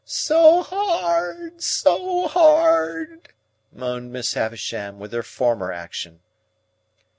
"So hard, so hard!" moaned Miss Havisham, with her former action.